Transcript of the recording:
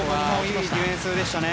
いいディフェンスでしたね。